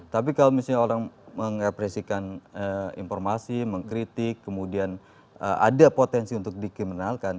tapi kalau misalnya orang mengepresikan informasi mengkritik kemudian ada potensi untuk dikriminalkan